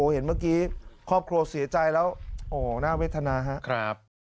เห็นเมื่อกี้ครอบครัวเสียใจแล้วโอ้โหน่าเวทนาครับ